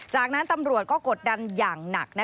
จากนั้นตำรวจก็กดดันอย่างหนัก